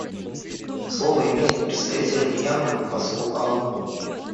Слово имеет представитель Мьянмы посол Аунг.